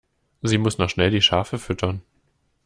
Sie muss noch schnell die Schafe füttern.